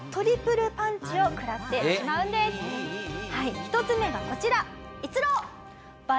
はい１つ目がこちら。